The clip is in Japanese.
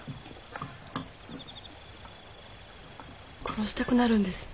殺したくなるんです。